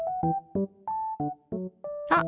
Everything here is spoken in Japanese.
あっ